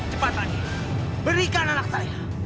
cepat pak d berikan anak saya